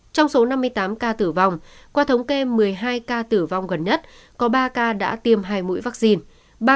trong số năm mươi tám ca tử vong qua thống kê một mươi hai ca tử vong gần nhất có ba ca đã tiêm hai mũi vaccine